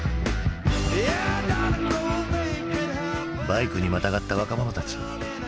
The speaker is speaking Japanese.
バイクにまたがった若者たち。